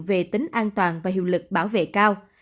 về tính an toàn và hiệu lực bảo vệ cao